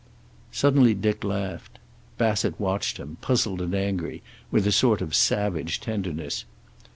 Suddenly Dick laughed. Bassett watched him, puzzled and angry, with a sort of savage tenderness.